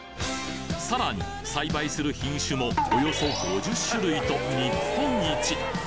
さらに栽培する品種もおよそ５０種類と日本一！